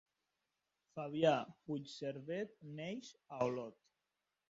Fabià Puigserver neix a Olot.